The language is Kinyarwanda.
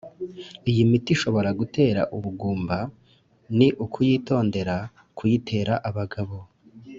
iyi miti ishobora gutera ubugumba ni ukuyitondera kuyitera abagabo